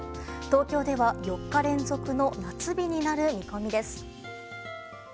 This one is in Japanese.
東京では、４日連続の夏日になる見込みです。